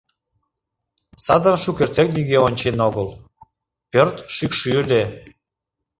Садым шукертсек нигӧ ончен огыл, пӧрт шӱкшӱ ыле.